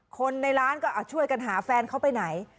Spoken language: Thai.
คนในร้านก็ช่วยกันหาแฟนเขาไปไหน